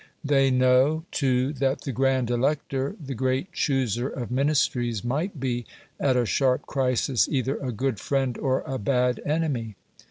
They know, too, that the grand elector, the great chooser of Ministries, might be, at a sharp crisis, either a good friend or a bad enemy.